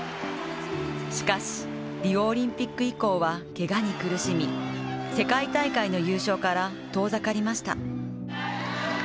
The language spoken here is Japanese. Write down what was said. しかし、リオオリンピック以降はけがに苦しみ世界大会の優勝から遠ざかりました。